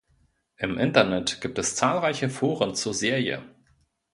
Im Internet gibt es zahlreiche Foren zur Serie.